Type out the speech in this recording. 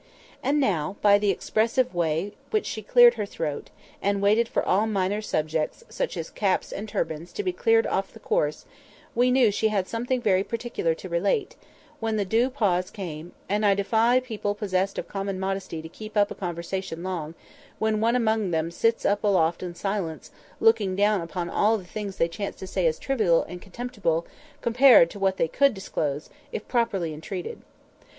And now, by the expressive way in which she cleared her throat, and waited for all minor subjects (such as caps and turbans) to be cleared off the course, we knew she had something very particular to relate, when the due pause came—and I defy any people possessed of common modesty to keep up a conversation long, where one among them sits up aloft in silence, looking down upon all the things they chance to say as trivial and contemptible compared to what they could disclose, if properly entreated.